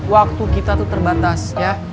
waktu kita itu terbatas ya